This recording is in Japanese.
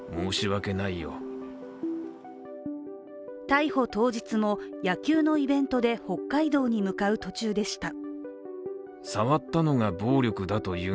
逮捕当日も、野球のイベントで北海道に向かう途中でした。